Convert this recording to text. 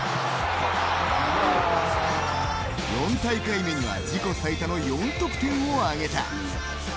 ４大会目には自己最多の４得点を挙げた。